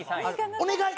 お願い！